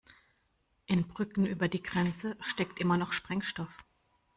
In Brücken über die Grenze steckt immer noch Sprengstoff.